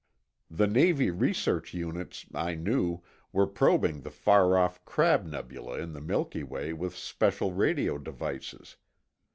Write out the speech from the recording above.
The Navy research units, I knew, were probing the far off Crab nebula in the Milky Way with special radio devices.